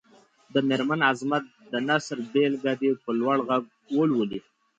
د مېرمن عظمت د نثر بېلګه دې په لوړ غږ ولولي.